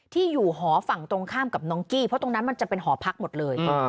ที่อยู่หอฝั่งตรงข้ามกับน้องกี้เพราะตรงนั้นมันจะเป็นหอพักหมดเลย